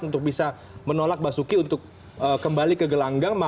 untuk bisa menolak basuki untuk kembali ke gelanggang